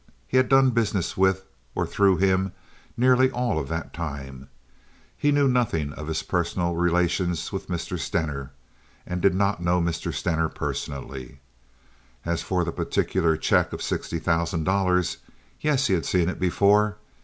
He had done business with or through him nearly all of that time. He knew nothing of his personal relations with Mr. Stener, and did not know Mr. Stener personally. As for the particular check of sixty thousand dollars—yes, he had seen it before.